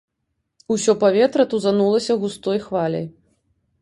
Усё паветра тузанулася густой хваляй.